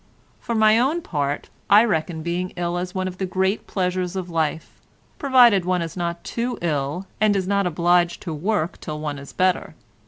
For my own part I reckon being ill as one of the great pleasures of life, provided one is not too ill and is not obliged to work till one is better.